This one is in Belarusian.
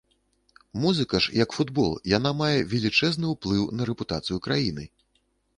Музыка ж, як футбол, яна мае велічэзны ўплыў на рэпутацыю краіны.